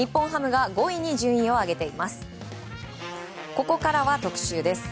ここからは特集です。